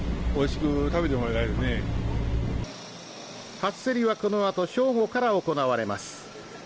初競りはこのあと正午から行われます